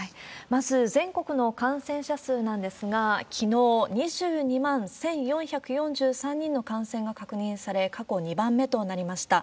まず、全国の感染者数なんですが、きのう、２２万１４４３人の感染が確認され、過去２番目となりました。